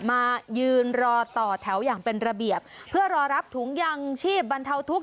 มายืนรอต่อแถวอย่างเป็นระเบียบเพื่อรอรับถุงยางชีพบรรเทาทุกข